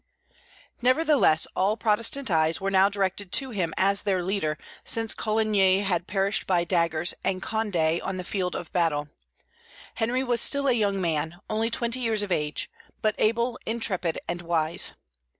Nevertheless, all Protestant eyes were now directed to him as their leader, since Coligny had perished by daggers, and Condé on the field of battle. Henry was still a young man, only twenty years of age, but able, intrepid, and wise.